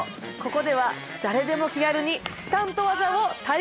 ここでは誰でも気軽にスタント技を体験できるの。